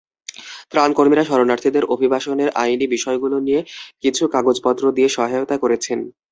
ত্রাণকর্মীরা শরণার্থীদের অভিবাসনের আইনি বিষয়গুলো নিয়ে কিছু কাগজপত্র দিয়ে সহায়তা করেছেন।